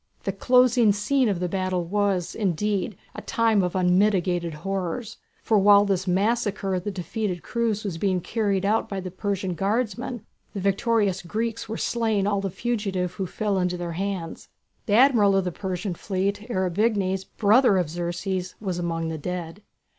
The closing scene of the battle was, indeed, a time of unmitigated horrors, for while this massacre of the defeated crews was being carried out by the Persian guardsmen, the victorious Greeks were slaying all the fugitives who fell into their hands. The Admiral of the Persian fleet, Ariabignes, brother of Xerxes, was among the dead.